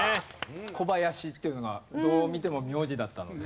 「小林」っていうのがどう見ても名字だったので。